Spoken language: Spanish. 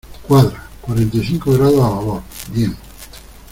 cuadra. cuarenta y cinco grados a babor . bien .